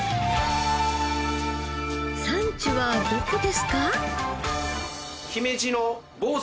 産地はどこですか？